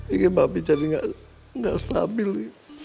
ini papi jadi ga stabil mi